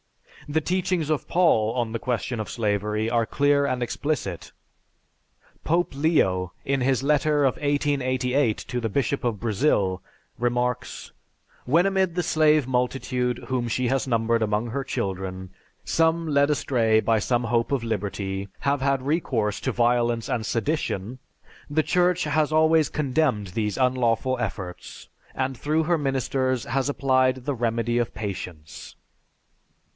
The teachings of Paul on the question of slavery are clear and explicit. Pope Leo, in his letter of 1888 to the Bishop of Brazil, remarks: "When amid the slave multitude whom she has numbered among her children, some led astray by some hope of liberty, have had recourse to violence and sedition, the Church has always condemned these unlawful efforts, and through her ministers has applied the remedy of patience...."